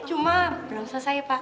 cuma belum selesai pak